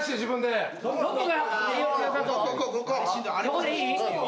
そこでいい？